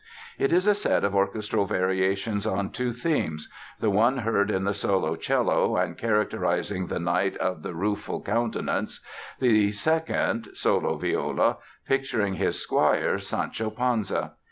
It is a set of orchestral variations on two themes, the one heard in the solo cello and characterizing the Knight of the Rueful Countenance, the second (solo viola) picturing his squire, Sancho Panza.